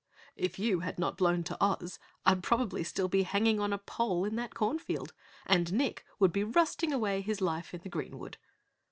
"If you had not blown to Oz, I'd probably still be hanging on a pole in that cornfield and Nick would be rusting away his life in the greenwood."